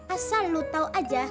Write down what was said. asal lu tau aja